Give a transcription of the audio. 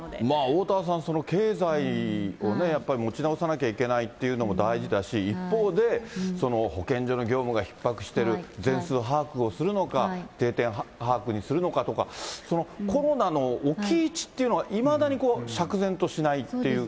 おおたわさん、経済をね、やっぱり持ち直さなきゃいけないっていうのも大事だし、一方で、保健所の業務がひっ迫してる、全数把握をするのか、定点把握にするのかとか、そのコロナの置き位置というのがいまだに釈然としないっていう。